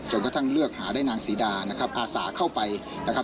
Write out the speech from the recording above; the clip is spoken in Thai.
กระทั่งเลือกหาได้นางศรีดานะครับอาสาเข้าไปนะครับ